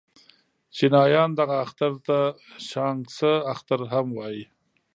چينایان دغه اختر ته شانګ سه اختر هم وايي.